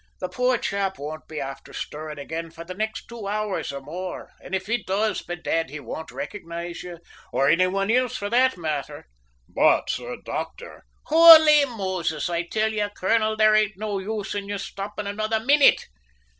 "The poor chap won't be afther stirrin' ag'in for the next two hours or more; an' if he does, bedad, he won't ricognise ye, or any one ilse for that matther!" "But, sir doctor " "Houly Moses! I till you, colonel, there ain't no use in your stoppin' another minnit!"